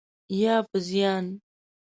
یا په زیان؟